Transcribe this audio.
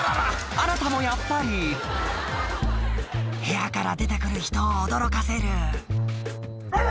あなたもやっぱり部屋から出て来る人を驚かせるワワワ！